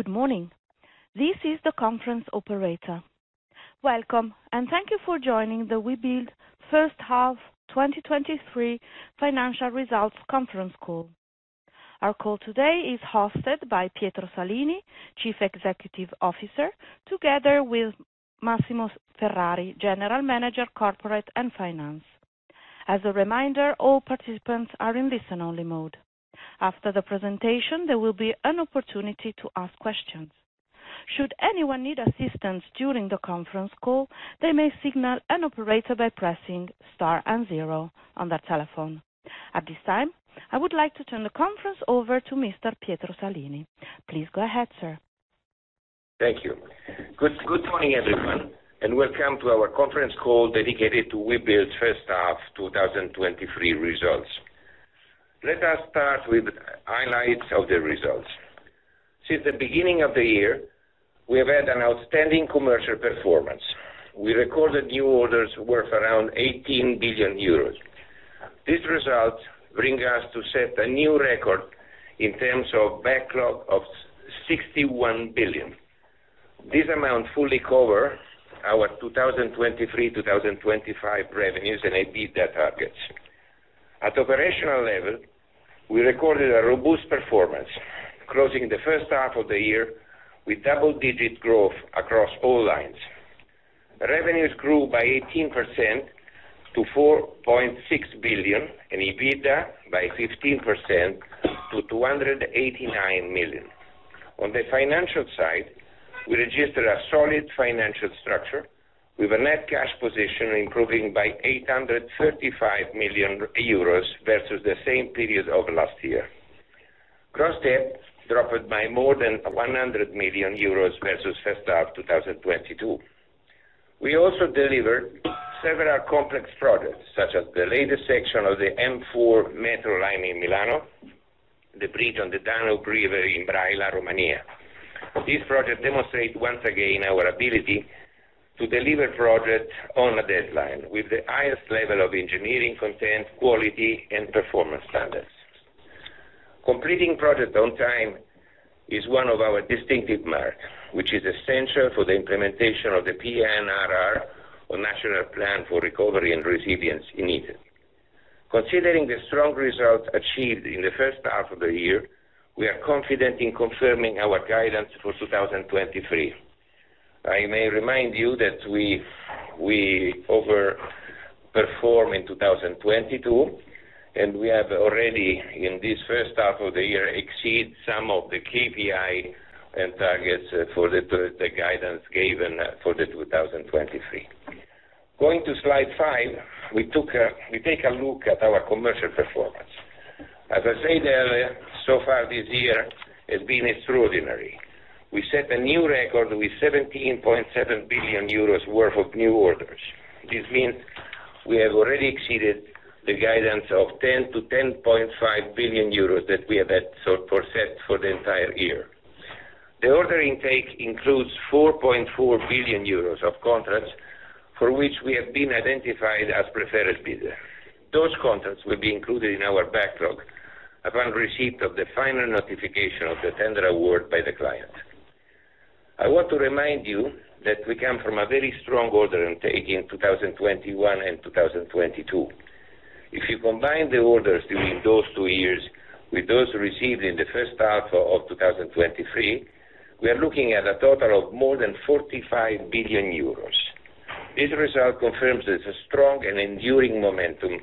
Good morning. This is the conference operator. Welcome, and thank you for joining the Webuild first half 2023 financial results conference call. Our call today is hosted by Pietro Salini, Chief Executive Officer, together with Massimo Ferrari, General Manager, Corporate and Finance. As a reminder, all participants are in listen-only mode. After the presentation, there will be an opportunity to ask questions. Should anyone need assistance during the conference call, they may signal an operator by pressing Star and 0 on their telephone. At this time, I would like to turn the conference over to Mr. Pietro Salini. Please go ahead, sir. Thank you. Good, good morning, everyone, and welcome to our conference call dedicated to Webuild first half 2023 results. Let us start with the highlights of the results. Since the beginning of the year, we have had an outstanding commercial performance. We recorded new orders worth around 18 billion euros. These results bring us to set a new record in terms of backlog of 61 billion. This amount fully cover our 2023-2025 revenues, and EBITDA targets. At operational level, we recorded a robust performance, closing the first half of the year with double-digit growth across all lines. Revenues grew by 18% to 4.6 billion, and EBITDA by 15% to 289 million. On the financial side, we registered a solid financial structure with a net cash position improving by 835 million euros versus the same period of last year. Gross debt dropped by more than 100 million euros versus first half 2022. We also delivered several complex projects, such as the latest section of the M4 metro line in Milan, the bridge on the Danube River in Braila, Romania. These projects demonstrate once again our ability to deliver projects on a deadline with the highest level of engineering content, quality, and performance standards. Completing projects on time is one of our distinctive mark, which is essential for the implementation of the PNRR, or National Plan for Recovery and Resilience in Italy. Considering the strong results achieved in the first half of the year, we are confident in confirming our guidance for 2023. I may remind you that we overperform in 2022, and we have already, in this first half of the year, exceed some of the KPI and targets for the guidance given for 2023. Going to slide five, we take a look at our commercial performance. As I said earlier, so far this year has been extraordinary. We set a new record with 17.7 billion euros worth of new orders. This means we have already exceeded the guidance of 10 billion-10.5 billion euros that we have had sort of set for the entire year. The order intake includes 4.4 billion euros of contracts for which we have been identified as preferred bidder. Those contracts will be included in our backlog upon receipt of the final notification of the tender award by the client. I want to remind you that we come from a very strong order intake in 2021 and 2022. If you combine the orders during those two years with those received in the first half of 2023, we are looking at a total of more than 45 billion euros. This result confirms there's a strong and enduring momentum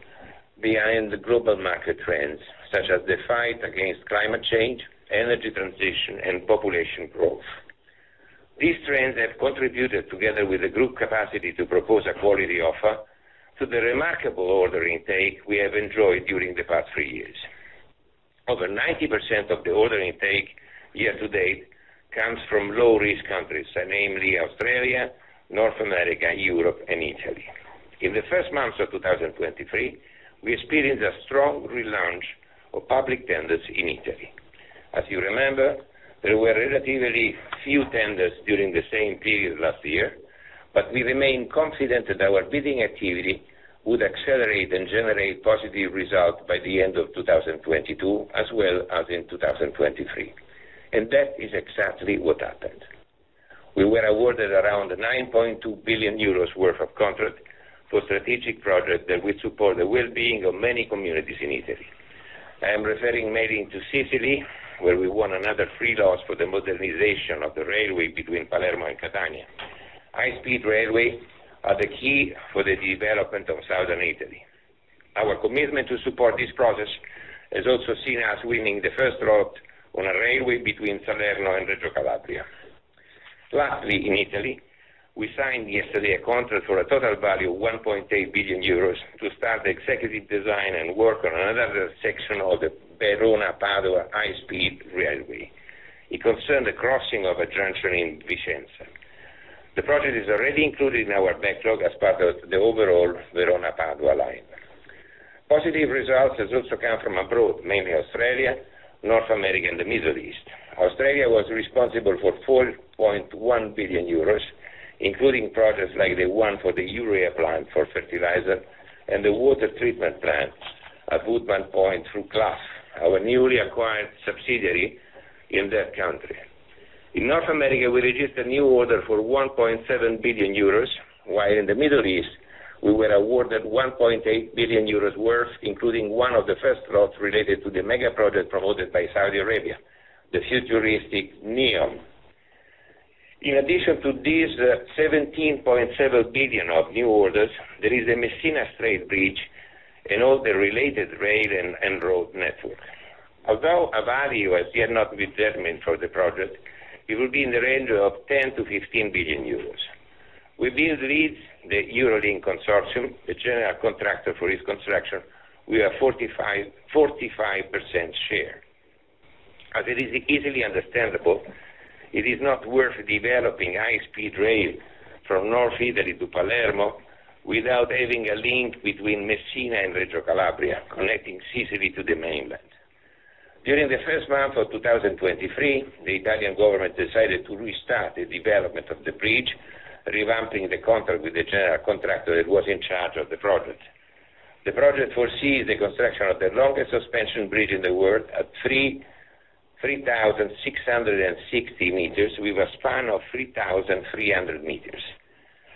behind the global market trends, such as the fight against climate change, energy transition, and population growth. These trends have contributed, together with the group capacity to propose a quality offer, to the remarkable order intake we have enjoyed during the past three years. Over 90% of the order intake year to date comes from low-risk countries, namely Australia, North America, Europe, and Italy. In the first months of 2023, we experienced a strong relaunch of public tenders in Italy. As you remember, there were relatively few tenders during the same period last year, but we remain confident that our bidding activity would accelerate and generate positive results by the end of 2022, as well as in 2023. That is exactly what happened. We were awarded around 9.2 billion euros worth of contract for strategic projects that will support the well-being of many communities in Italy. I am referring mainly to Sicily, where we won another new lot for the modernization of the railway between Palermo and Catania. High-speed railway are the key for the development of Southern Italy. Our commitment to support this process is also seen as winning the first route on a railway between Salerno and Reggio Calabria. Lastly, in Italy, we signed yesterday a contract for a total value of 1.8 billion euros to start the executive design and work on another section of the Verona-Padova high-speed railway. It concerned the crossing of a junction in Vicenza. The project is already included in our backlog as part of the overall Verona-Padova line. Positive results has also come from abroad, mainly Australia, North America, and the Middle East. Australia was responsible for 4.1 billion euros, including projects like the one for the urea plant for fertilizer and the water treatment plant at Woodman Point through Clough, our newly acquired subsidiary in that country. In North America, we registered a new order for 1.7 billion euros, while in the Middle East, we were awarded 1.8 billion euros worth, including one of the first lots related to the mega-project promoted by Saudi Arabia, the futuristic NEOM. In addition to these 17.7 billion of new orders, there is the Strait of Messina Bridge and all the related rail and road network. Although a value has yet not been determined for the project, it will be in the range of 10 to 15 billion. Webuild leads the Eurolink consortium, the general contractor for its construction, we have 45% share. As it is easily understandable, it is not worth developing high-speed rail from North Italy to Palermo without having a link between Messina and Reggio Calabria, connecting Sicily to the mainland. During the first month of 2023, the Italian government decided to restart the development of the bridge, revamping the contract with the general contractor that was in charge of the project. The project foresees the construction of the longest suspension bridge in the world at 3,660 meters, with a span of 3,300 meters.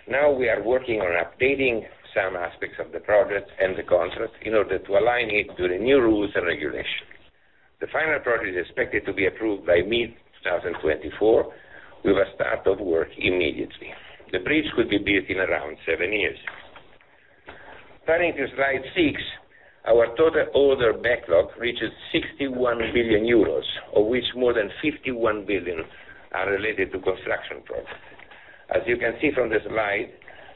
We are working on updating some aspects of the project and the contract in order to align it to the new rules and regulations. The final project is expected to be approved by mid-2024, with a start of work immediately. The bridge will be built in around seven years. Turning to slide six, our total order backlog reaches 61 billion euros, of which more than 51 billion are related to construction projects. As you can see from the slide,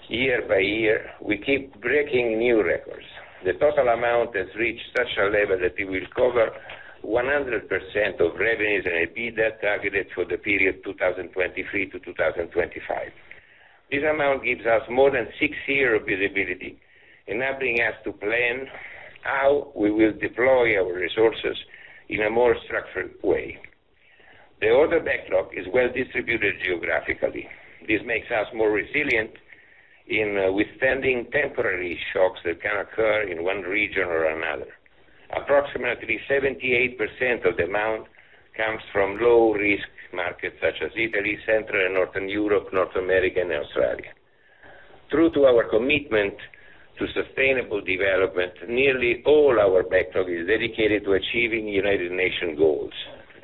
year by year, we keep breaking new records. The total amount has reached such a level that it will cover 100% of revenues and EBITDA targeted for the period 2023 to 2025. This amount gives us more than six-year visibility, enabling us to plan how we will deploy our resources in a more structured way. The order backlog is well distributed geographically. This makes us more resilient in withstanding temporary shocks that can occur in one region or another. Approximately 78% of the amount comes from low-risk markets such as Italy, Central and Northern Europe, North America, and Australia. True to our commitment to sustainable development, nearly all our backlog is dedicated to achieving United Nations goals.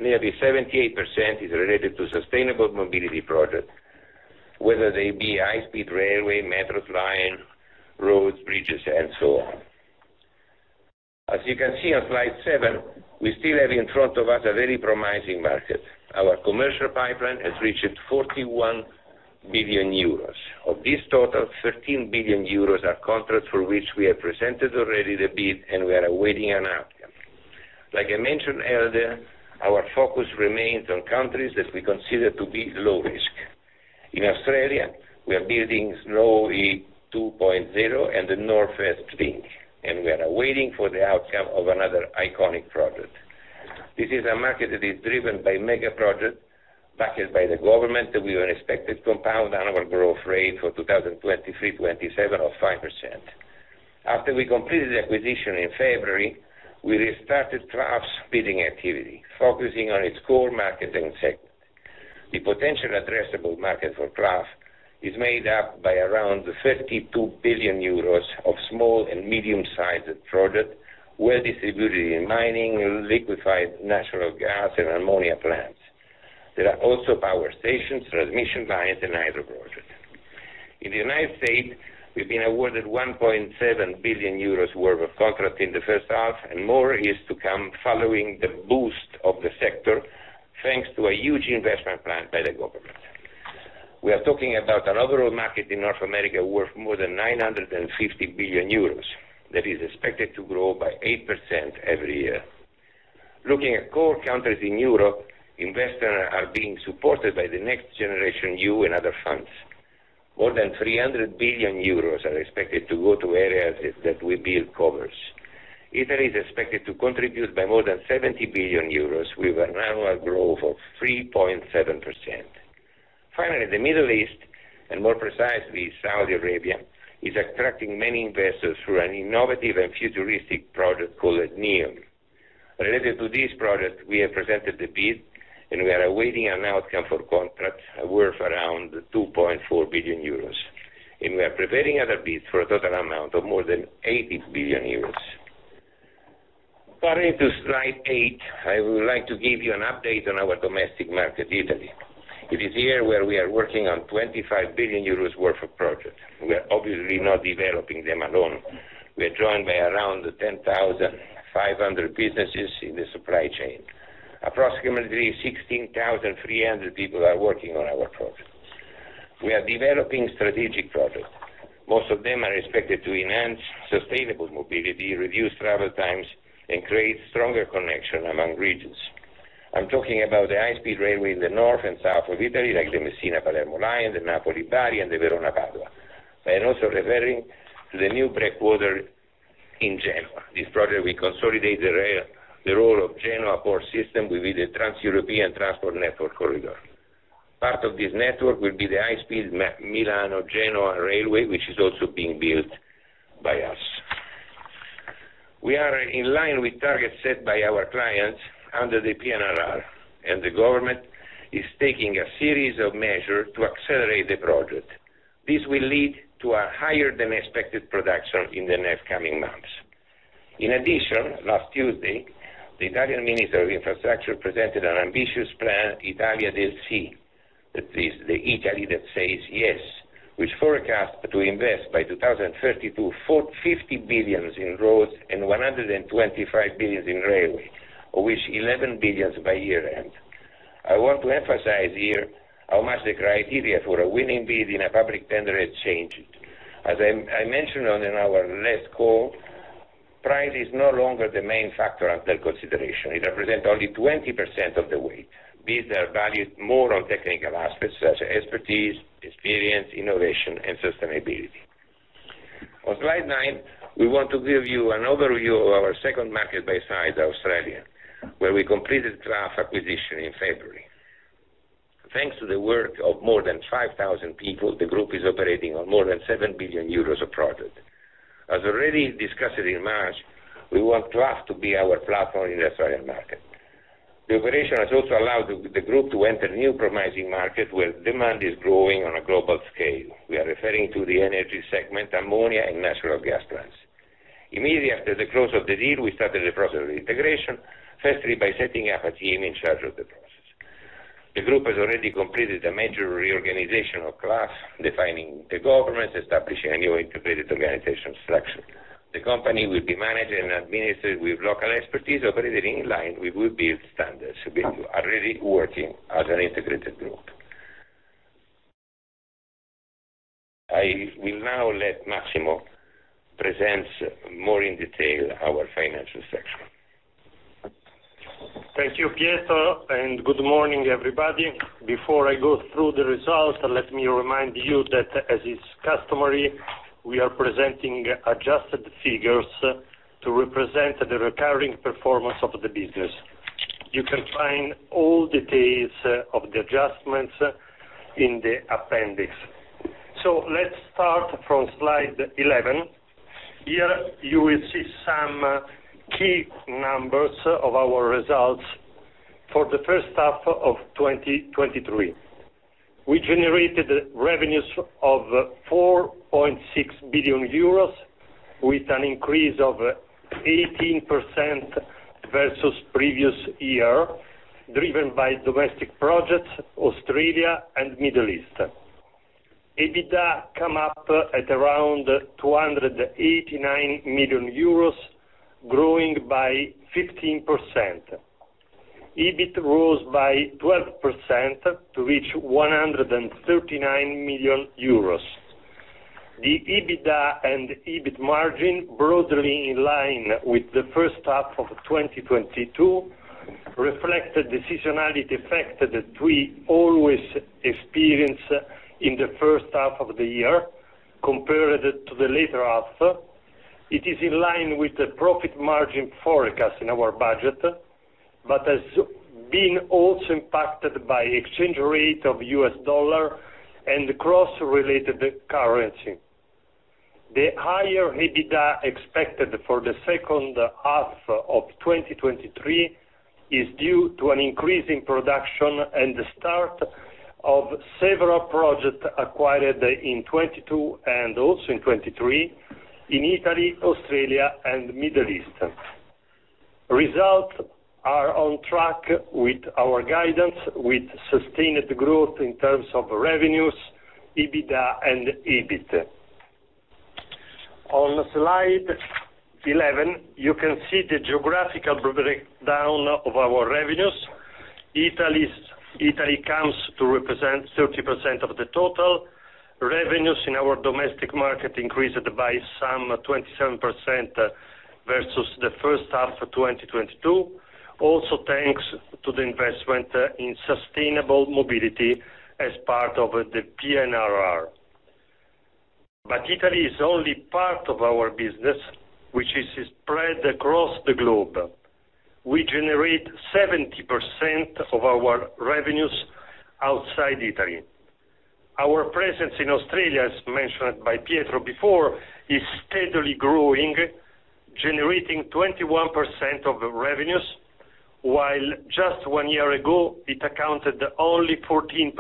Nearly 78% is related to sustainable mobility projects, whether they be high-speed railway, metro line, roads, bridges, and so on. As you can see on slide 7, we still have in front of us a very promising market. Our commercial pipeline has reached 41 billion euros. Of this total, 13 billion euros are contracts for which we have presented already the bid, and we are awaiting an outcome. Like I mentioned earlier, our focus remains on countries that we consider to be low risk. In Australia, we are building Road E2.0 and the North East Link, and we are waiting for the outcome of another iconic project. This is a market that is driven by mega projects, backed by the government, that we were expected compound annual growth rate for 2023-2027 of 5%. After we completed the acquisition in February, we restarted Clough's bidding activity, focusing on its core market and segment. The potential addressable market for Clough is made up by around 52 billion euros of small and medium-sized projects, well distributed in mining, liquefied natural gas, and ammonia plants. There are also power stations, transmission lines, and hydro projects. In the United States, we've been awarded 1.7 billion euros worth of contract in the first half, and more is to come following the boost of the sector, thanks to a huge investment plan by the government. We are talking about an overall market in North America worth more than 950 billion euros, that is expected to grow by 8% every year. Looking at core countries in Europe, investors are being supported by the NextGenerationEU and other funds. More than 300 billion euros are expected to go to areas that, that Webuild covers. Italy is expected to contribute by more than 70 billion euros, with an annual growth of 3.7%. Finally, the Middle East, and more precisely, Saudi Arabia, is attracting many investors through an innovative and futuristic project called NEOM. Related to this project, we have presented the bid, and we are awaiting an outcome for contracts worth around 2.4 billion euros, and we are preparing other bids for a total amount of more than 80 billion euros. Turning to slide 8, I would like to give you an update on our domestic market, Italy. It is here where we are working on 25 billion euros worth of projects. We are obviously not developing them alone. We are joined by around 10,500 businesses in the supply chain. Approximately 16,300 people are working on our projects. We are developing strategic projects. Most of them are expected to enhance sustainable mobility, reduce travel times, and create stronger connection among regions. I'm talking about the high-speed railway in the north and south of Italy, like the Messina-Palermo line, the Napoli-Bari, and the Verona-Padova.... I am also referring to the new breakwater in Genoa. This project will consolidate the rail, the role of Genoa port system within the Trans-European Transport Network corridor. Part of this network will be the high speed Milan or Genoa railway, which is also being built by us. We are in line with targets set by our clients under the PNRR, and the government is taking a series of measures to accelerate the project. This will lead to a higher than expected production in the next coming months. Last Tuesday, the Italian Minister of Infrastructure presented an ambitious plan, Italia del Si, that is, the Italy that says yes, which forecast to invest by 2032, 450 billion in roads and 125 billion in railway, of which 11 billion by year-end. I want to emphasize here how much the criteria for a winning bid in a public tender has changed. As I mentioned in our last call, price is no longer the main factor under consideration. It represents only 20% of the weight. Bids are valued more on technical aspects such as expertise, experience, innovation, and sustainability. On slide 9, we want to give you an overview of our second market by size, Australia, where we completed Clough acquisition in February. Thanks to the work of more than 5,000 people, the Group is operating on more than 7 billion euros of project. As already discussed in March, we want Clough to be our platform in the Australian market. The operation has also allowed the Group to enter new promising market, where demand is growing on a global scale. We are referring to the energy segment, ammonia, and natural gas plants. Immediately after the close of the deal, we started the process of integration, firstly, by setting up a team in charge of the process. The Group has already completed a major reorganization of Clough, defining the governance, establishing a new integrated organizational structure. The company will be managed and administered with local expertise, operating in line with Wood Group standards. We are already working as an integrated group. I will now let Massimo present more in detail our financial section. Thank you, Pietro, and good morning, everybody. Before I go through the results, let me remind you that, as is customary, we are presenting adjusted figures to represent the recurring performance of the business. You can find all details of the adjustments in the appendix. Let's start from slide 11. Here, you will see some key numbers of our results for the first half of 2023. We generated revenues of 4.6 billion euros, with an increase of 18% versus previous year, driven by domestic projects, Australia, and Middle East. EBITDA come up at around 289 million euros, growing by 15%. EBIT rose by 12% to reach 139 million euros. The EBITDA and EBIT margin, broadly in line with the first half of 2022, reflect the seasonality effect that we always experience in the first half of the year compared to the later half. It is in line with the profit margin forecast in our budget, but has been also impacted by exchange rate of U.S. dollar and cross-related currency. The higher EBITDA expected for the second half of 2023 is due to an increase in production and the start of several projects acquired in 2022 and also in 2023 in Italy, Australia, and Middle East. Results are on track with our guidance, with sustained growth in terms of revenues, EBITDA, and EBIT. On slide 11, you can see the geographical breakdown of our revenues. Italy comes to represent 30% of the total. Revenues in our domestic market increased by some 27% versus the first half of 2022, also thanks to the investment in sustainable mobility as part of the PNRR. Italy is only part of our business, which is spread across the globe. We generate 70% of our revenues outside Italy. Our presence in Australia, as mentioned by Pietro before, is steadily growing, generating 21% of revenues, while just one year ago it accounted only 14%.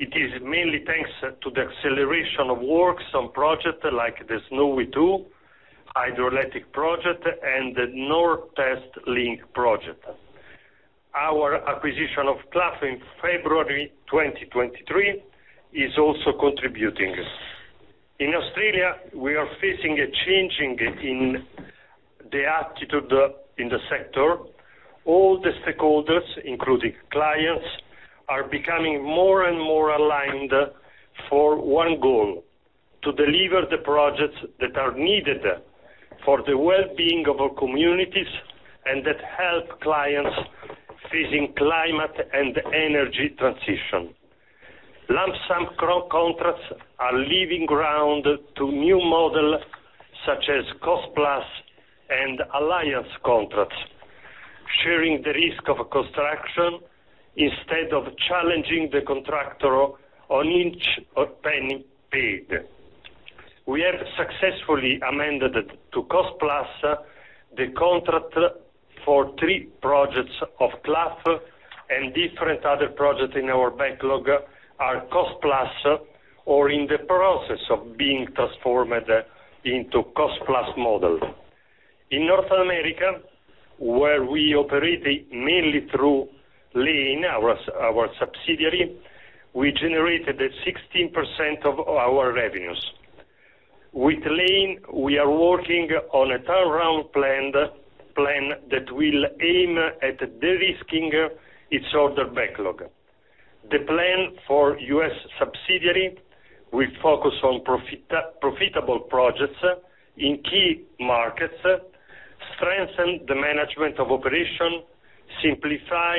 It is mainly thanks to the acceleration of works on projects like the Snowy 2.0, hydroelectric project, and the North East Link project. Our acquisition of Clough in February 2023 is also contributing. In Australia, we are facing a changing in the attitude in the sector. All the stakeholders, including clients, are becoming more and more aligned for one goal: to deliver the projects that are needed for the well-being of our communities and that help clients- facing climate and energy transition. Lump sum contracts are leaving ground to new model, such as cost-plus and alliance contracts, sharing the risk of construction instead of challenging the contractor on each or penny paid. We have successfully amended to cost-plus, the contract for 3 projects of Clough, and different other projects in our backlog are cost-plus, or in the process of being transformed into cost-plus model. In North America, where we operate mainly through Lane, our subsidiary, we generated 16% of our revenues. With Lane, we are working on a turnaround planned, plan that will aim at de-risking its order backlog. The plan for U.S. subsidiary will focus on profitable projects in key markets, strengthen the management of operation, simplify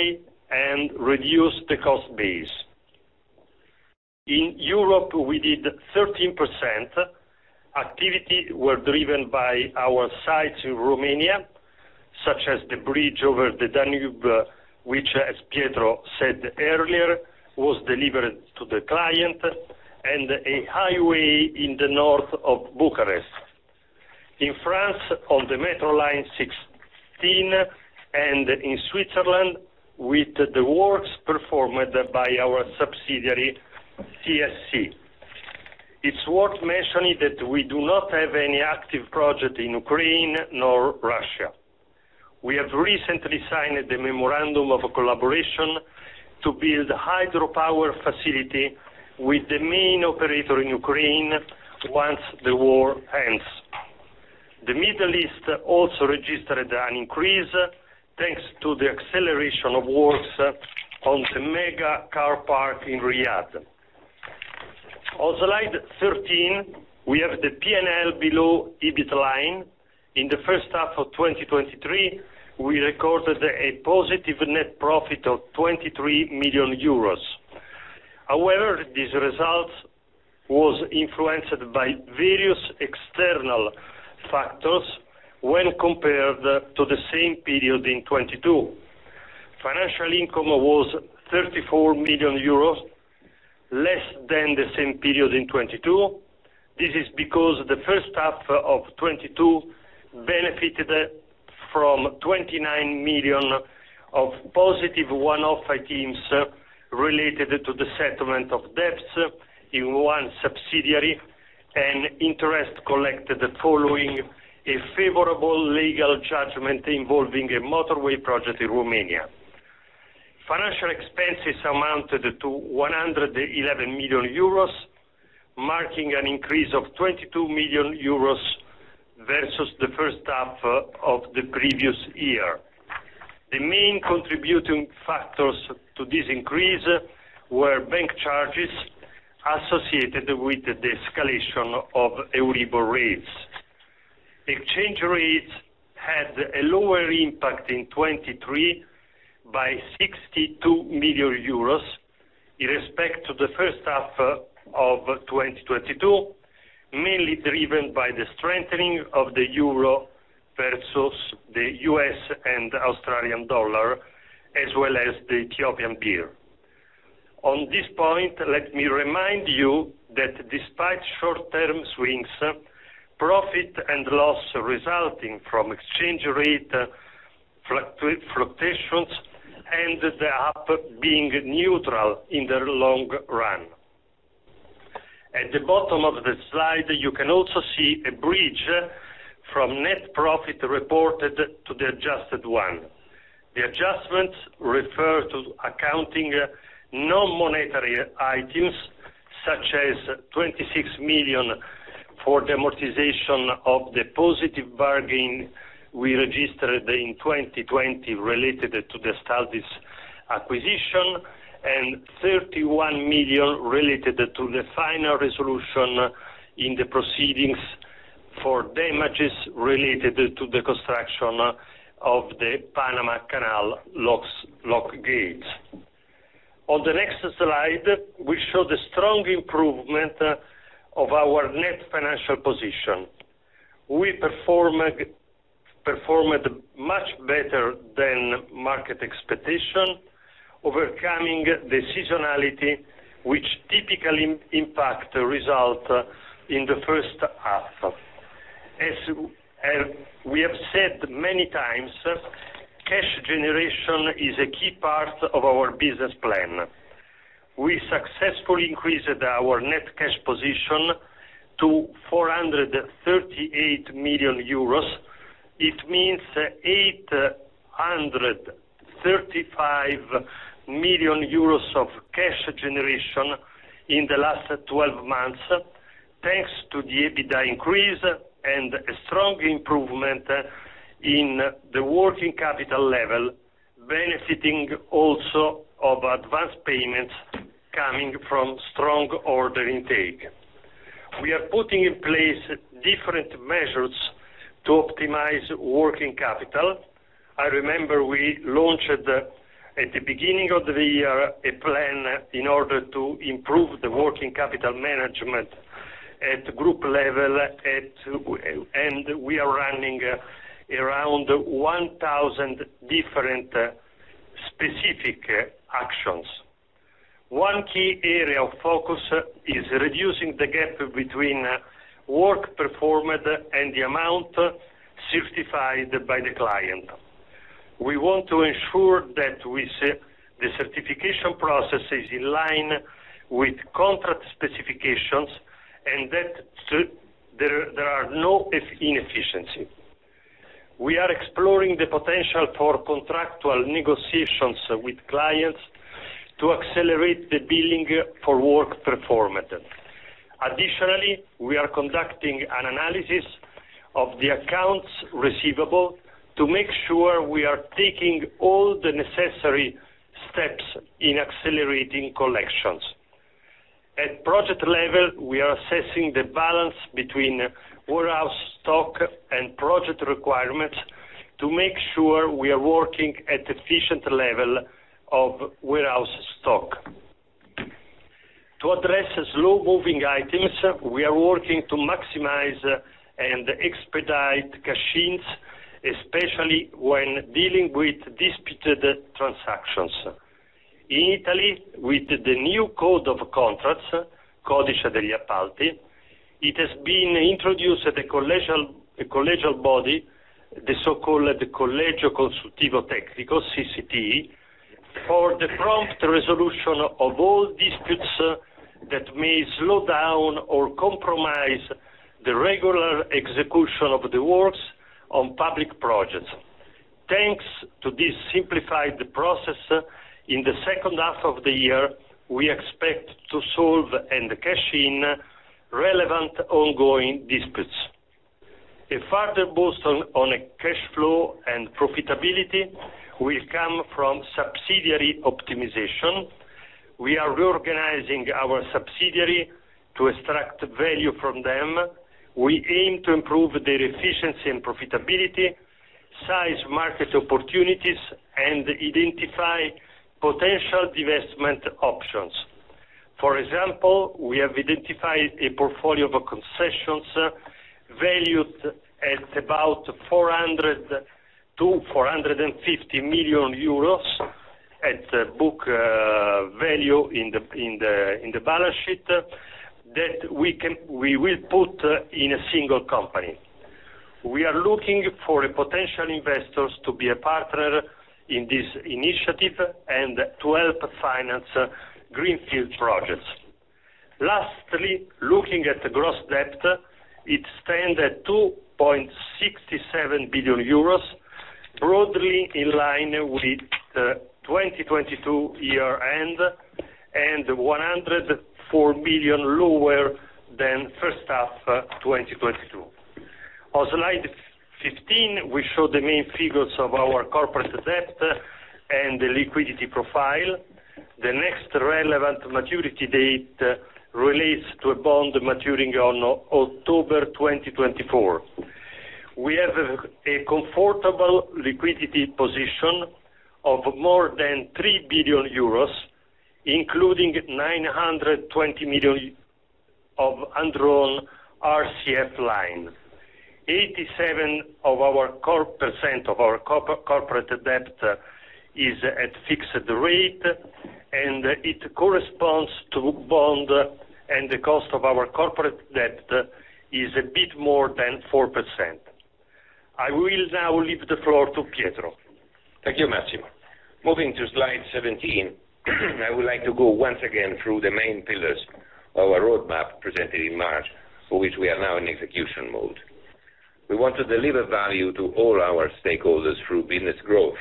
and reduce the cost base. In Europe, we did 13%. Activity were driven by our sites in Romania, such as the bridge over the Danube, which, as Pietro said earlier, was delivered to the client, and a highway in the north of Bucharest. In France, on the metro Line 16, and in Switzerland, with the works performed by our subsidiary, CSC. It's worth mentioning that we do not have any active project in Ukraine nor Russia. We have recently signed the memorandum of collaboration to build hydropower facility with the main operator in Ukraine once the war ends. The Middle East also registered an increase, thanks to the acceleration of works on the mega car park in Riyadh. On slide 13, we have the P&L below EBIT line. In the first half of 2023, we recorded a positive net profit of 23 million euros. However, this result was influenced by various external factors when compared to the same period in 2022. Financial income was 34 million euros, less than the same period in 2022. This is because the first half of 2022 benefited from 29 million of positive one-off items related to the settlement of debts in 1 subsidiary, and interest collected following a favorable legal judgment involving a motorway project in Romania. Financial expenses amounted to 111 million euros, marking an increase of 22 million euros versus the first half of the previous year. The main contributing factors to this increase were bank charges associated with the escalation of Euribor rates. Exchange rates had a lower impact in 2023 by 62 million euros, in respect to the first half of 2022, mainly driven by the strengthening of the euro versus the US dollar and Australian dollar, as well as the Ethiopian birr. On this point, let me remind you that despite short-term swings, profit and loss resulting from exchange rate fluctuations end up being neutral in the long run. At the bottom of the slide, you can also see a bridge from net profit reported to the adjusted one. The adjustments refer to accounting, non-monetary items, such as 26 million for the amortization of the positive bargain we registered in 2020, related to the Astaldi acquisition, and 31 million related to the final resolution in the proceedings for damages related to the construction of the Panama Canal locks, lock gate. On the next slide, we show the strong improvement of our net financial position. We performed much better than market expectation, overcoming the seasonality, which typically impact the result in the first half. As we have said many times, cash generation is a key part of our business plan. We successfully increased our net cash position to 438 million euros. It means 835 million euros of cash generation in the last 12 months, thanks to the EBITDA increase and a strong improvement in the working capital level, benefiting also of advanced payments coming from strong order intake.... We are putting in place different measures to optimize working capital. I remember we launched at the beginning of the year, a plan in order to improve the working capital management at group level, and we are running around 1,000 different specific actions. One key area of focus is reducing the gap between work performed and the amount certified by the client. We want to ensure that the certification process is in line with contract specifications, and that there are no inefficiency. We are exploring the potential for contractual negotiations with clients to accelerate the billing for work performed. Additionally, we are conducting an analysis of the accounts receivable to make sure we are taking all the necessary steps in accelerating collections. At project level, we are assessing the balance between warehouse stock and project requirements to make sure we are working at efficient level of warehouse stock. To address slow-moving items, we are working to maximize and expedite cash-ins, especially when dealing with disputed transactions. In Italy, with the new code of contracts, Codice degli Appalti, it has been introduced at the collegial body, the so-called Collegio Consultivo Tecnico, CCT, for the prompt resolution of all disputes that may slow down or compromise the regular execution of the works on public projects. Thanks to this simplified process, in the second half of the year, we expect to solve and cash in relevant ongoing disputes. A further boost on a cash flow and profitability will come from subsidiary optimization. We are reorganizing our subsidiary to extract value from them. We aim to improve their efficiency and profitability, size market opportunities, and identify potential divestment options. For example, we have identified a portfolio of concessions valued at about 400 to 450 million at book value in the balance sheet, that we will put in a single company. We are looking for a potential investors to be a partner in this initiative and to help finance greenfield projects. Lastly, looking at the gross debt, it stand at 2.67 billion euros, broadly in line with 2022 year end, and 104 million lower than first half 2022. On slide 15, we show the main figures of our corporate debt and the liquidity profile. The next relevant maturity date relates to a bond maturing on October 2024. We have a comfortable liquidity position of more than 3 billion euros, including 920 million of undrawn RCF line. 87% of our corporate debt is at fixed rate, and it corresponds to bond, and the cost of our corporate debt is a bit more than 4%. I will now leave the floor to Pietro. Thank you, Massimo. Moving to slide 17, I would like to go once again through the main pillars of our roadmap presented in March, for which we are now in execution mode. We want to deliver value to all our stakeholders through business growth,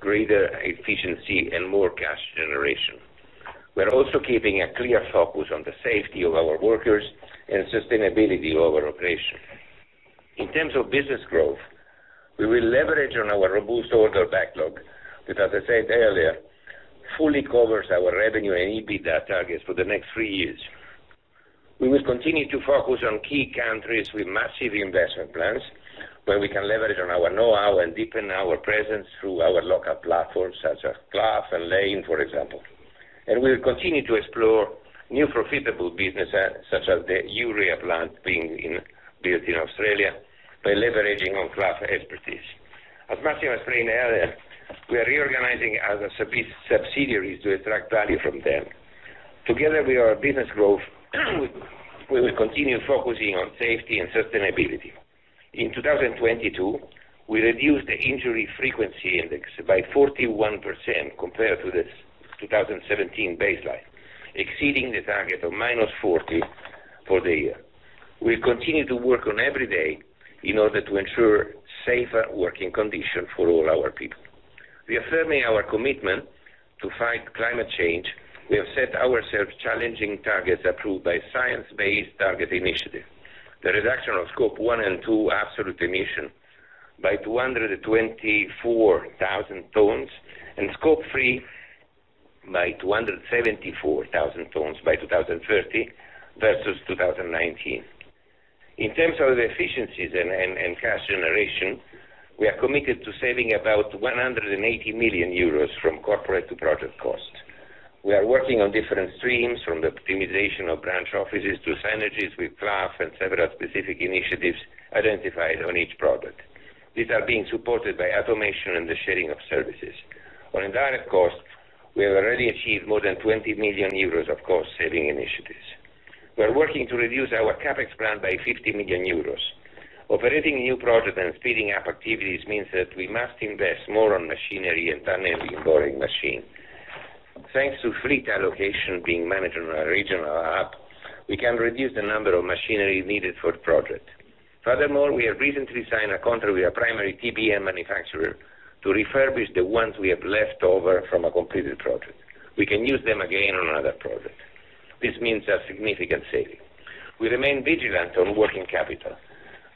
greater efficiency, and more cash generation. We're also keeping a clear focus on the safety of our workers and sustainability of our operation. In terms of business growth, we will leverage on our robust order backlog, which, as I said earlier, fully covers our revenue and EBITDA targets for the next 3 years. We will continue to focus on key countries with massive investment plans, where we can leverage on our know-how and deepen our presence through our local platforms, such as Clough and Lane, for example. We'll continue to explore new profitable business, such as the urea plant being built in Australia, by leveraging on Clough expertise. As Massimo explained earlier, we are reorganizing our subsidiaries to extract value from them. Together with our business growth, we will continue focusing on safety and sustainability. In 2022, we reduced the injury frequency index by 41% compared to this 2017 baseline, exceeding the target of -40 for the year. We continue to work on every day in order to ensure safer working conditions for all our people. Reaffirming our commitment to fight climate change, we have set ourselves challenging targets approved by Science Based Targets initiative. The reduction of Scope 1 and 2 absolute emissions by 224,000 tons, and Scope 3 by... by 274,000 tons by 2030 versus 2019. In terms of efficiencies and cash generation, we are committed to saving about 180 million euros from corporate to project costs. We are working on different streams, from the optimization of branch offices to synergies with plaf and several specific initiatives identified on each product. These are being supported by automation and the sharing of services. On indirect costs, we have already achieved more than 20 million euros of cost saving initiatives. We are working to reduce our CapEx grant by 50 million euros. Operating new projects and speeding up activities means that we must invest more on machinery and tunnel boring machine. Thanks to fleet allocation being managed on a regional app, we can reduce the number of machinery needed for the project. Furthermore, we have recently signed a contract with a primary TBM manufacturer to refurbish the ones we have left over from a completed project. We can use them again on another project. This means a significant saving. We remain vigilant on working capital.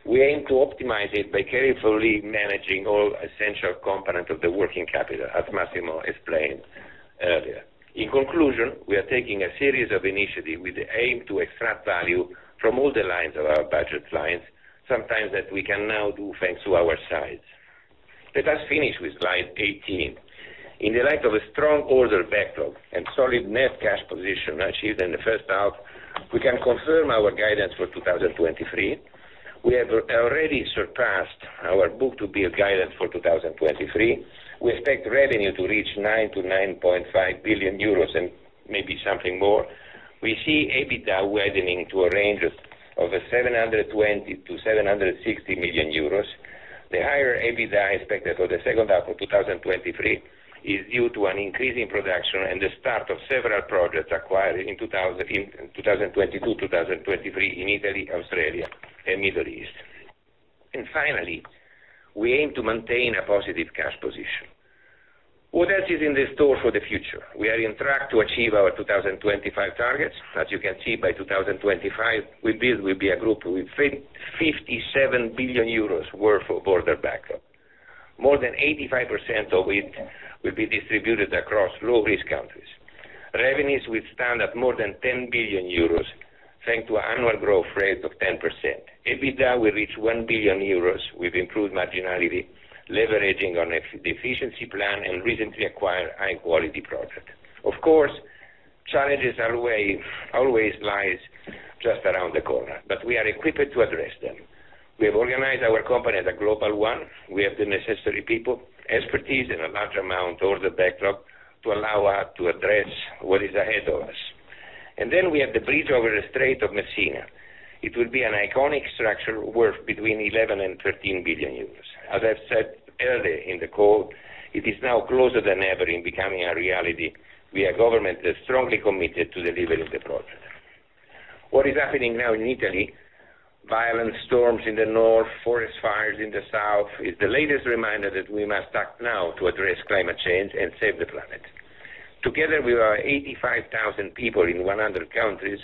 We aim to optimize it by carefully managing all essential components of the working capital, as Massimo explained earlier. In conclusion, we are taking a series of initiatives with the aim to extract value from all the lines of our budget clients, sometimes that we can now do thanks to our size. Let us finish with slide 18. In the light of a strong order backlog and solid net cash position achieved in the first half, we can confirm our guidance for 2023. We have already surpassed our book-to-bill guidance for 2023. We expect revenue to reach 9 to 9.5 billion and maybe something more. We see EBITDA widening to a range of 720 to 760 million. The higher EBITDA expected for the second half of 2023 is due to an increase in production and the start of several projects acquired in 2022, 2023 in Italy, Australia, and Middle East. Finally, we aim to maintain a positive cash position. What else is in the store for the future? We are on track to achieve our 2025 targets. As you can see, by 2025, Webuild will be a group with 57 billion euros worth of order backlog. More than 85% of it will be distributed across low-risk countries. Revenues will stand at more than 10 billion euros, thanks to annual growth rate of 10%. EBITDA will reach 1 billion euros with improved marginality, leveraging on the efficiency plan and recently acquired high-quality project. Of course, challenges always lies just around the corner, but we are equipped to address them. We have organized our company as a global one. We have the necessary people, expertise in a large amount order backlog, to allow us to address what is ahead of us. Then we have the Bridge over the Strait of Messina. It will be an iconic structure worth between 11 billion euros and 13 billion euros. As I've said earlier in the call, it is now closer than ever in becoming a reality. We are government that strongly committed to delivering the project. What is happening now in Italy, violent storms in the north, forest fires in the south, is the latest reminder that we must act now to address climate change and save the planet. Together, we are 85,000 people in 100 countries.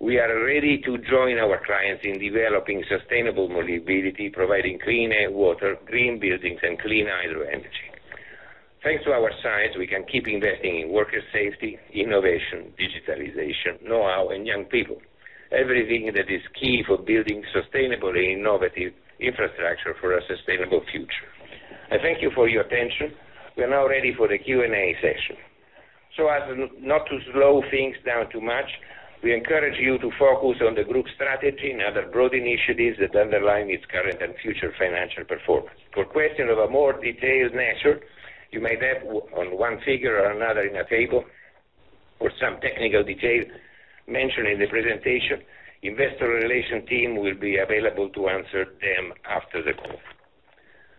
We are ready to join our clients in developing sustainable mobility, providing clean air, water, green buildings, and clean hydro energy. Thanks to our size, we can keep investing in worker safety, innovation, digitalization, know-how, and young people, everything that is key for building sustainable and innovative infrastructure for a sustainable future. I thank you for your attention. We are now ready for the Q&A session. As not to slow things down too much, we encourage you to focus on the group strategy and other broad initiatives that underline its current and future financial performance. For questions of a more detailed nature, you may have on one figure or another in a table, or some technical details mentioned in the presentation, investor relation team will be available to answer them after the call.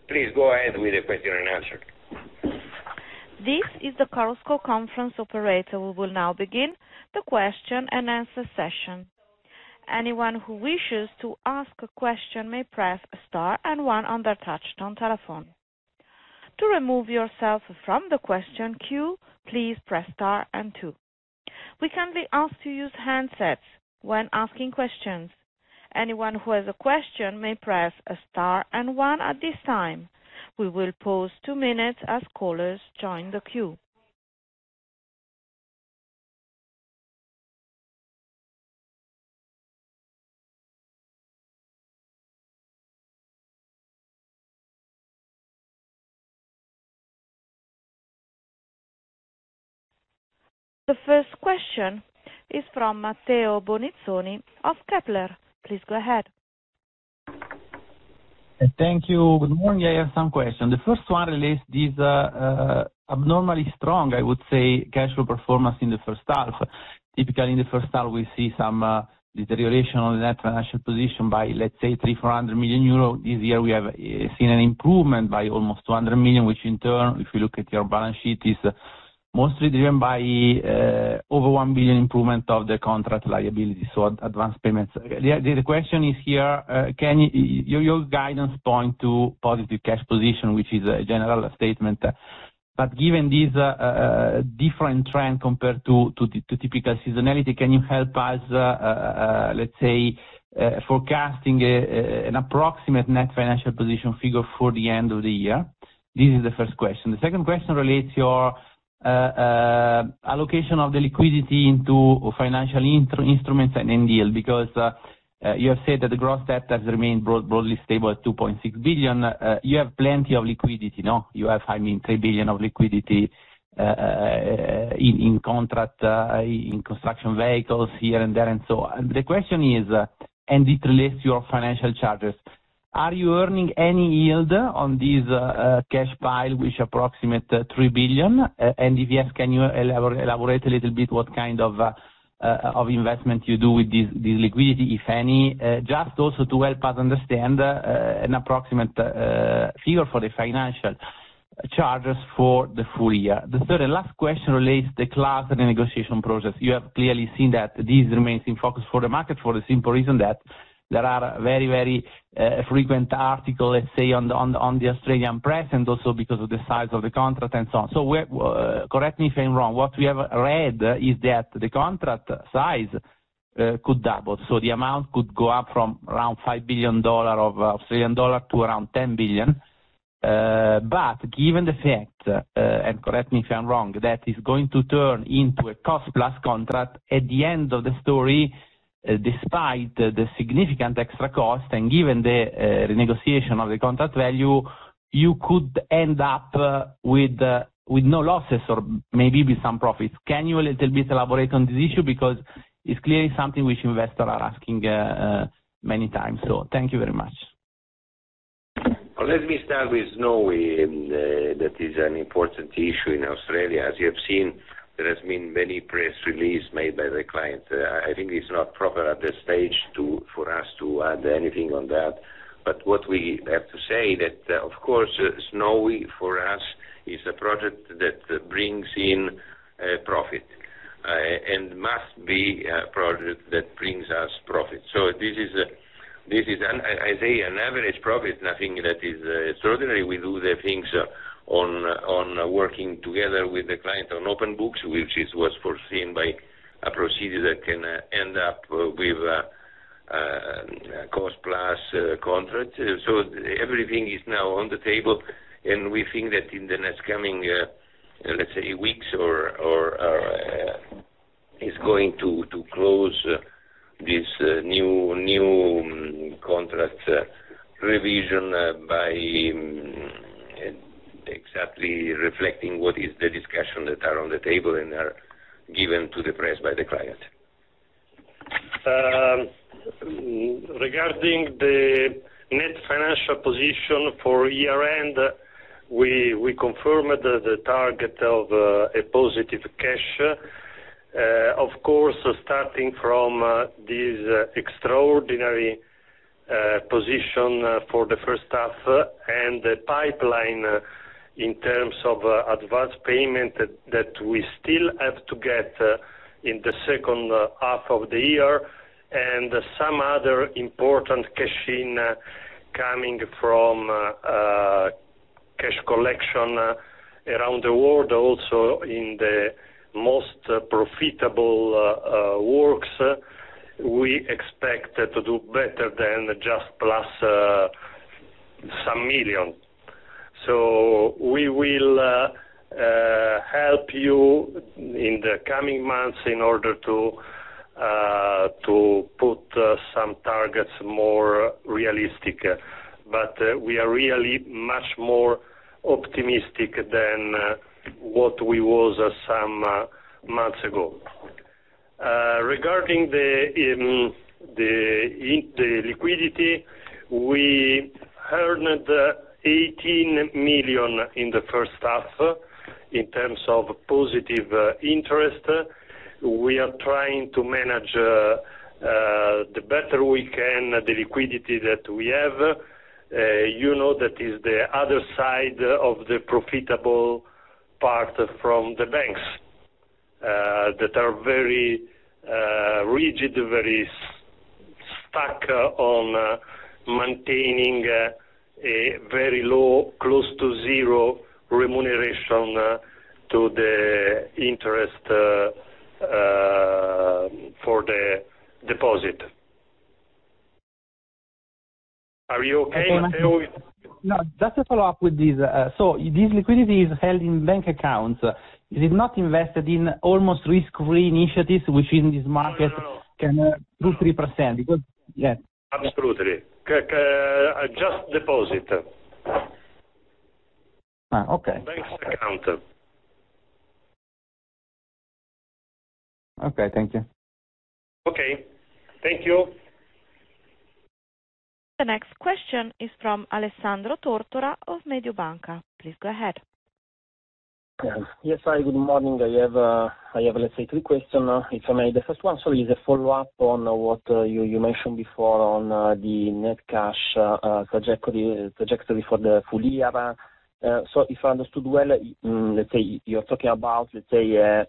Please go ahead with the question and answer. This is the Chorus Call conference operator, who will now begin the question and answer session. Anyone who wishes to ask a question may press star one on their touchtone telephone. To remove yourself from the question queue, please press star two. We kindly ask to use handsets when asking questions. Anyone who has a question may press star one at this time. We will pause two minutes as callers join the queue. The first question is from Matteo Bonizzoni of Kepler. Please go ahead. Thank you. Good morning, I have some questions. The first one relates to this abnormally strong, I would say, cash flow performance in the first half. Typically, in the first half, we see some deterioration on the net financial position by, let's say, 300 to 400 million. This year, we have seen an improvement by almost 200 million, which in turn, if you look at your balance sheet, is mostly driven by over 1 billion improvement of the contract liability, so advanced payments. The, the question is here, can your, your guidance point to positive cash position, which is a general statement, but given this different trend compared to typical seasonality, can you help us, let's say, forecasting an approximate net financial position figure for the end of the year? This is the first question. The second question relates your allocation of the liquidity into financial instruments and NDL, because you have said that the gross debt has remained broadly stable at 2.6 billion. You have plenty of liquidity, no? You have, I mean, 3 billion of liquidity in contract, in construction vehicles here and there, and so on. The question is, and it relates your financial charges. Are you earning any yield on this cash pile, which approximate 3 billion? If yes, can you elaborate a little bit what kind of of investment you do with this liquidity, if any? Just also to help us understand an approximate figure for the financial charges for the full year. The third and last question relates the Clough and the negotiation process. You have clearly seen that this remains in focus for the market, for the simple reason that there are very, very frequent article, let's say, on the, on the, on the Australian press, and also because of the size of the contract and so on. So we're — correct me if I'm wrong, what we have read is that the contract size could double, so the amount could go up from around 5 billion dollar to around 10 billion. Given the fact, and correct me if I'm wrong, that is going to turn into a cost-plus contract at the end of the story, despite the significant extra cost and given the renegotiation of the contract value, you could end up with no losses or maybe with some profits. Can you a little bit elaborate on this issue? Because it's clearly something which investors are asking, many times. Thank you very much. Well, let me start with Snowy, that is an important issue in Australia. As you have seen, there has been many press release made by the client. I think it's not proper at this stage to for us to add anything on that. What we have to say is that, of course, Snowy for us, is a project that brings in profit and must be a project that brings us profit. This is a, this is an... I, I say an average profit, nothing that is extraordinary. We do the things on working together with the client on open books, which was foreseen by a procedure that can end up with a cost-plus contract. Everything is now on the table, and we think that in the next coming, let's say, weeks or, or, is going to, to close this, new, new contract, revision by, exactly reflecting what is the discussion that are on the table and are given to the press by the client. Regarding the net financial position for year-end, we confirmed the target of a positive cash. Of course, starting from this extraordinary position for the first half and the pipeline in terms of advanced payment that we still have to get in the second half of the year, and some other important cash in coming from cash collection around the world. Also, in the most profitable works, we expect to do better than just plus some million. We will help you in the coming months in order to put some targets more realistic, but we are really much more optimistic than what we was some months ago. Regarding the liquidity, we earned 18 million in the first half. In terms of positive interest, we are trying to manage the better we can, the liquidity that we have. You know, that is the other side of the profitable part from the banks, that are very rigid, very stuck on maintaining a very low, close to zero remuneration to the interest for the deposit. Are you okay? No, just to follow up with this. This liquidity is held in bank accounts. It is not invested in almost risk-free initiatives, which in this market- No, no, no. can do 3%, because... Yeah. Absolutely. just deposit. Okay. Bank account. Okay, thank you. Okay, thank you. The next question is from Alessandro Tortora of Mediobanca. Please go ahead. Yes, hi, good morning. I have, I have, let's say, three question. If I may, the first one, so is a follow-up on what, you, you mentioned before on, the net cash, trajectory, trajectory for the full year. If I understood well, let's say, you're talking about, let's say,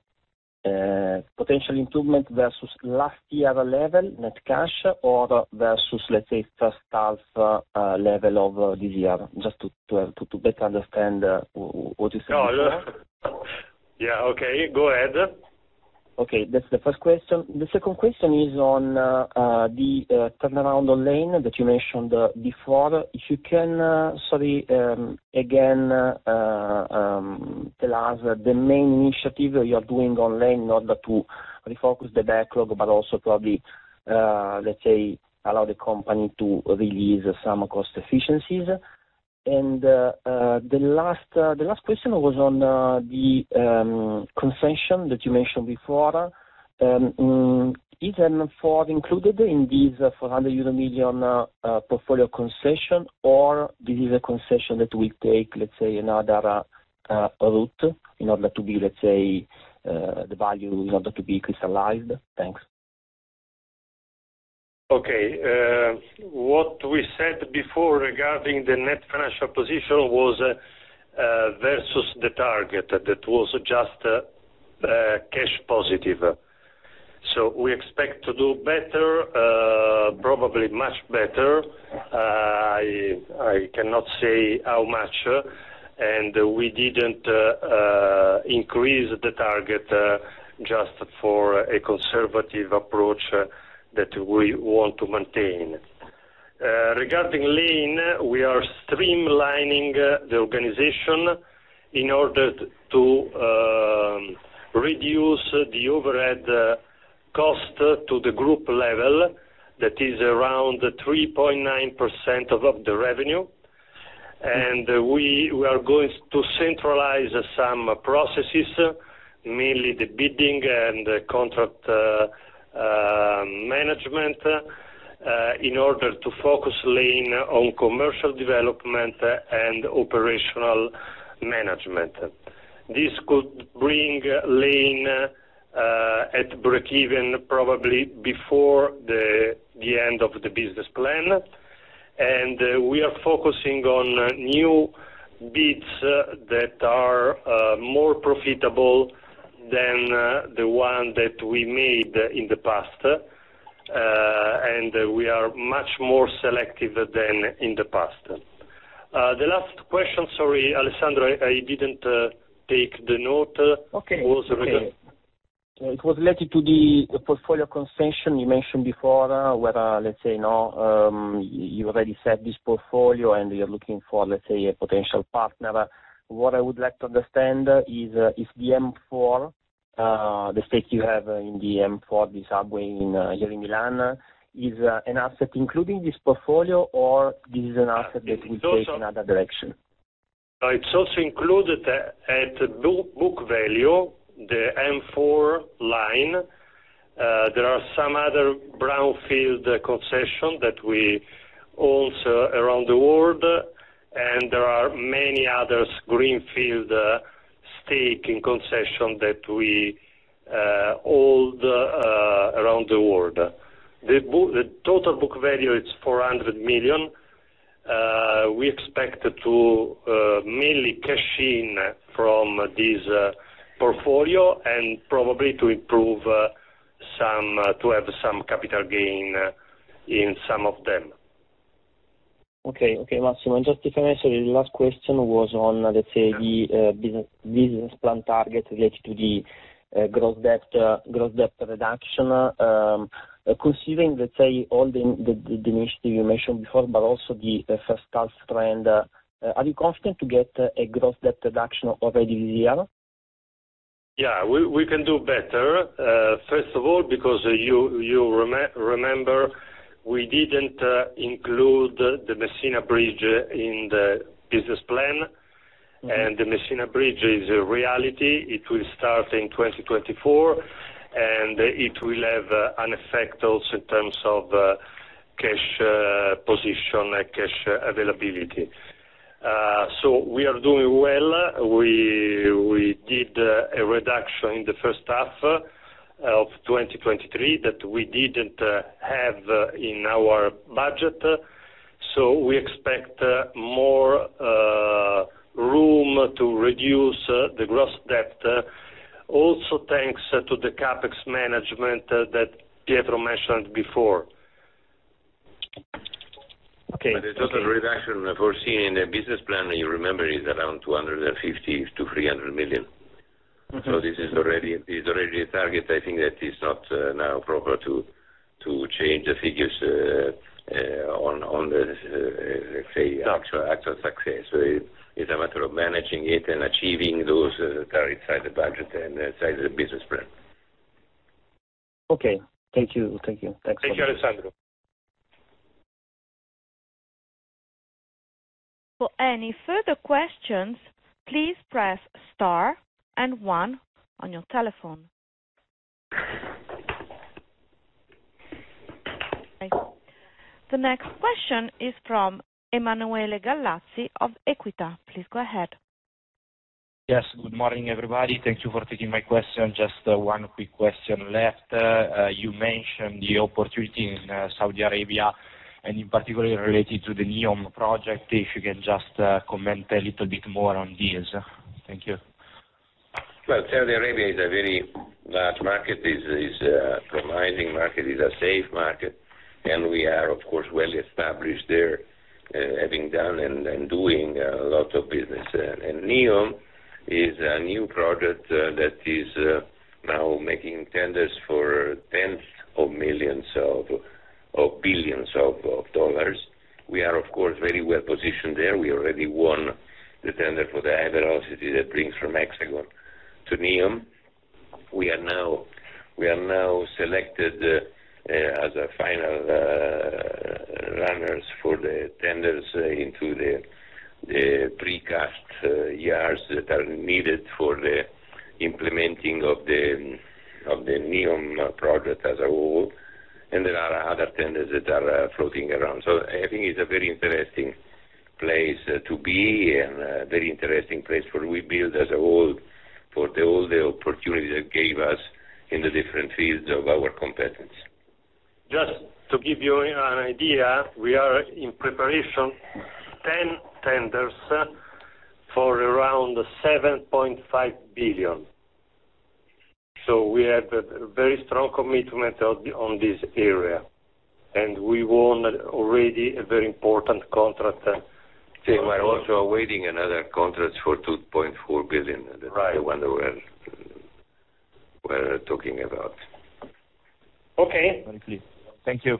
potential improvement versus last year level, net cash, or versus, let's say, first half, level of this year? Just to, to, to better understand, what is- Yeah. Okay, go ahead. Okay, that's the first question. The second question is on the turnaround on Lane that you mentioned before. If you can, tell us the main initiative you are doing on Lane in order to refocus the backlog, but also probably, let's say, allow the company to release some cost efficiencies. The last question was on the concession that you mentioned before. Is M4 included in this 400 million euro portfolio concession, or this is a concession that will take, let's say, another route, in order to be, let's say, the value in order to be crystallized? Thanks. Okay. What we said before regarding the net financial position was versus the target, that was just cash positive. So we expect to do better, probably much better. I, I cannot say how much, and we didn't increase the target, just for a conservative approach that we want to maintain. Regarding Lane, we are streamlining the organization in order to reduce the overhead cost to the group level, that is around 3.9% of the revenue. We, we are going to centralize some processes, mainly the bidding and the contract management, in order to focus Lane on commercial development and operational management. This could bring Lane at break even, probably before the end of the business plan. We are focusing on new bids that are more profitable than the one that we made in the past, and we are much more selective than in the past. The last question, sorry, Alessandro, I didn't take the note. Okay. Was the- It was related to the portfolio concession you mentioned before, where, let's say now, you already set this portfolio and you're looking for, let's say, a potential partner. What I would like to understand is, if the M4, the stake you have in the M4, the subway in, here in Milan, is an asset, including this portfolio, or this is an asset that will take another direction? It's also included at, at book, book value, the M4 line. There are some other brownfield concession that we also around the world, and there are many others, greenfield, stake in concession that we hold around the world. The total book value is 400 million. We expect to mainly cash in from this portfolio, and probably to improve some to have some capital gain in some of them. Okay. Okay, Massimo, just if I may say, the last question was on, let's say, the business, business plan target related to the gross debt, gross debt reduction. Considering, let's say, all the, the, the initiative you mentioned before, but also the first half trend, are you confident to get a gross debt reduction already this year? Yeah, we, we can do better. First of all, because you remember, we didn't include the Messina Bridge in the business plan. The Messina Bridge is a reality. It will start in 2024. It will have an effect also in terms of cash position and cash availability. We are doing well. We, we did a reduction in the first half of 2023 that we didn't have in our budget, so we expect more room to reduce the gross debt also, thanks to the CapEx management that Pietro mentioned before. Okay. The total reduction foreseen in the business plan, you remember, is around 250 to 300 million. Mm-hmm. This is already, is already a target. I think that is not now proper to, to change the figures on the, let's say, actual, actual success. It's a matter of managing it and achieving those targets inside the budget and inside the business plan. Okay. Thank you. Thank you. Thanks so much. Thank you, Alessandro. For any further questions, please press star and one on your telephone. The next question is from Emanuele Gallazzi of Equita. Please go ahead. Yes, good morning, everybody. Thank you for taking my question. Just one quick question left. You mentioned the opportunity in Saudi Arabia, and in particular related to the NEOM project. If you can just comment a little bit more on this? Thank you. Well, Saudi Arabia is a very large market. It's Rising market is a safe market, and we are, of course, well established there, having done and, and doing, lots of business. NEOM is a new project that is now making tenders for tens of billions of dollars. We are, of course, very well positioned there. We already won the tender for the high velocity that brings from Haramain to NEOM. We are now selected as a final runners for the tenders into the precast yards that are needed for the implementing of the NEOM project as a whole, and there are other tenders that are floating around. I think it's a very interesting place to be and a very interesting place for Webuild as a whole, for all the opportunities that gave us in the different fields of our competence. Just to give you an idea, we are in preparation 10 tenders for around 7.5 billion. We have a very strong commitment on, on this area, and we won already a very important contract. We are also awaiting another contract for 2.4 billion. Right. The one that we're talking about. Okay. Thank you.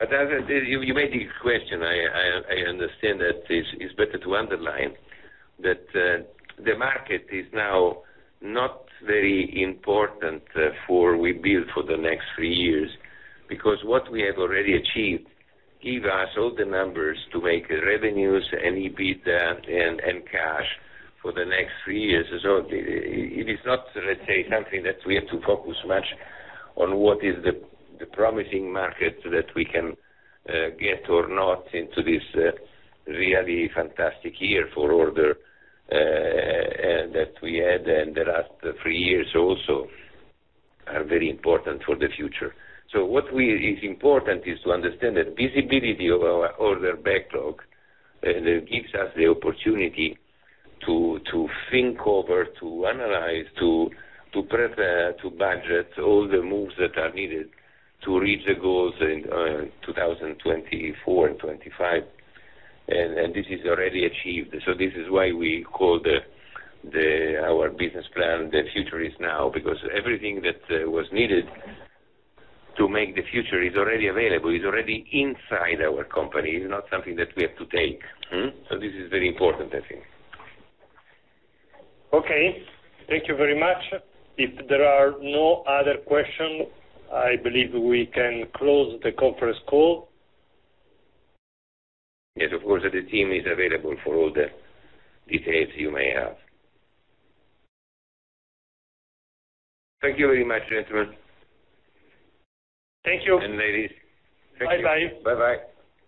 As you, you made the question, I, I, I understand that it's, it's better to underline that the market is now not very important for Webuild for the next 3 years. Because what we have already achieved, give us all the numbers to make revenues and EBITDA and cash for the next 3 years. It, it is not, let's say, something that we have to focus much on what is the, the promising market that we can get or not into this really fantastic year for order that we had, and the last 3 years also are very important for the future. What we... Is important is to understand that visibility of our order backlog gives us the opportunity to, to think over, to analyze, to, to prepare, to budget all the moves that are needed to reach the goals in 2024 and 2025, and this is already achieved. This is why we call the, the, our business plan, The Future is Now, because everything that was needed to make the future is already available, is already inside our company. It's not something that we have to take. This is very important, I think. Okay. Thank you very much. If there are no other questions, I believe we can close the conference call. Yes, of course, the team is available for all the details you may have. Thank you very much, gentlemen. Thank you. Ladies. Bye-bye. Bye-bye.